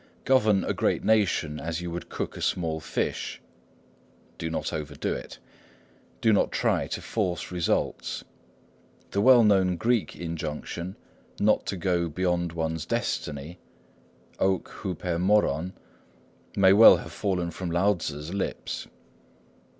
"Govern a great nation as you would cook a small fish,"—do not overdo it. Do not try to force results. The well known Greek injunction, "not to go beyond one's destiny," οὐκ ὑπὲρ μόρον, might well have fallen from Lao Tzŭ's lips.